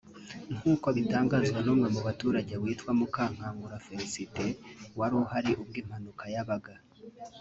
nk’uko bitangazwa n’umwe mu baturage witwa Mukankangura Felicité wari uhari ubwo impanuka yabaga